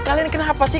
kalian kenapa sih